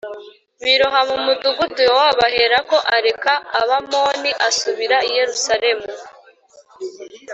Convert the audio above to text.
biroha mu mudugudu. Yowabu aherako areka Abamoni asubira i Yerusalemu.